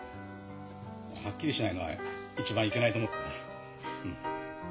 はっきりしないのは一番いけないと思ってな。